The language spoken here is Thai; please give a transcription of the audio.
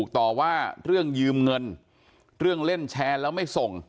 ต่อว่าเรื่องยืมเงินเรื่องเล่นแชร์แล้วไม่ส่ง